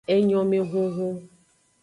Enyomehunhun.